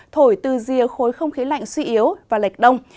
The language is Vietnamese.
thổi từ rìa khối không khí lạnh suy yếu và lệch đông